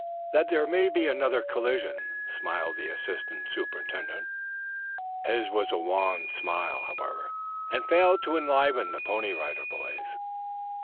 "That there may be another collision," smiled the assistant superintendent. His was a wan smile, however, and failed to enliven the Pony Rider Boys.